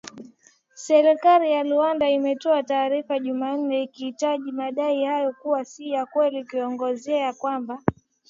Serikali ya Rwanda imetoa taarifa jumanne ikitaja madai hayo kuwa si ya kweli ikiongezea kwamba